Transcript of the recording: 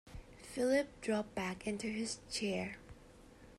Philip dropped back into his chair.